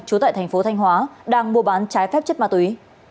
trú tại tp thanh hóa đang mua bán trái phép chất ma túy